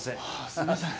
すいません。